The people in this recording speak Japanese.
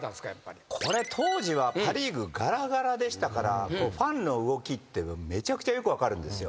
当時はパ・リーグがらがらでしたからファンの動きってめちゃくちゃよく分かるんですよ。